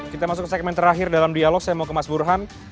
kita masuk ke segmen terakhir dalam dialog saya mau ke mas burhan